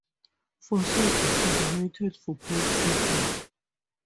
Four sites are designated for both reasons.